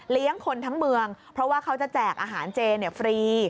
คนทั้งเมืองเพราะว่าเขาจะแจกอาหารเจฟรี